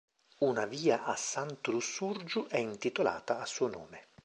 Una via a Santu Lussurgiu è intitolata a suo nome.